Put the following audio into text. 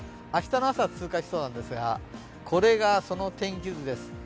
明日の朝、通過しそうなんですがこれがその天気図です。